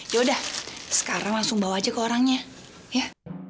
yaudah sekarang langsung bawa aja ke orangnya ya